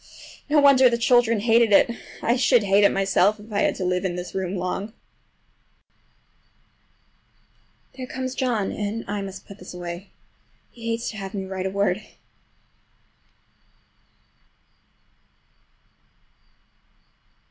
No wonder the children hated it! I should hate it myself if I had to live in this room long. There comes John, and I must put this away,—he hates to have me write a word.